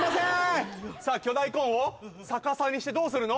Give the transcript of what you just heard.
さあ巨大コーンを逆さにしてどうするの？